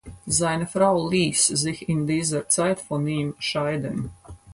Seine Frau ließ sich in dieser Zeit von ihm scheiden.